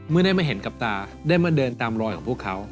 เมื่อได้มาเห็นกับตาได้มาเดินตามรอยของพวกเขา